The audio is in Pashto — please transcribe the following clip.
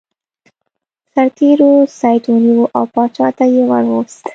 سرتیرو سید ونیو او پاچا ته یې ور وست.